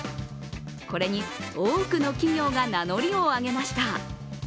これに多くの企業が名乗りを上げました。